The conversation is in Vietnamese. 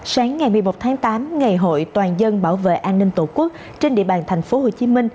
sáng ngày một mươi một tháng tám ngày hội toàn dân bảo vệ an ninh tổ quốc trên địa bàn tp hcm